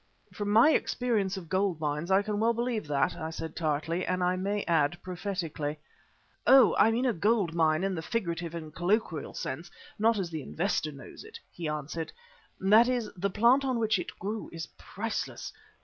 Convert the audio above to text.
"From my experience of gold mines I can well believe that," I said tartly, and, I may add, prophetically. "Oh! I mean a gold mine in the figurative and colloquial sense, not as the investor knows it," he answered. "That is, the plant on which it grew is priceless.